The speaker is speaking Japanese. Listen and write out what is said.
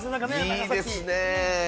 いいですね！